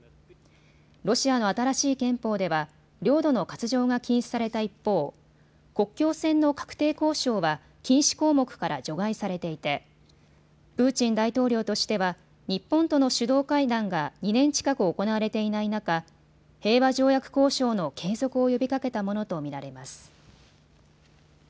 ロシアの新しい憲法では領土の割譲が禁止された一方、国境線の画定交渉は禁止項目から除外されていてプーチン大統領としては日本との首脳会談が２年近く行われていない中、平和条約交渉の継続を呼びかけたものと見られます。